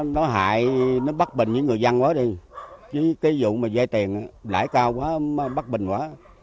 nó hại nó bất bình với người dân quá đi chứ cái vụ mà giấy tiền lãi cao quá nó bất bình quá